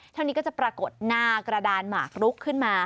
เท่านี้ก็จะปรากฏหน้ากระดานหมากลุกขึ้นมา